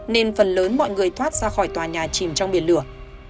nên phần lớn mọi người thoát ra khỏi tòa nhà chìm trong biển lửa